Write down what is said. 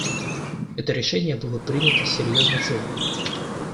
Это решение было принято с серьезной целью.